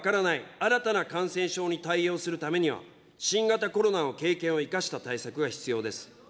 新たな感染症に対応するためには、新型コロナの経験を生かした対策が必要です。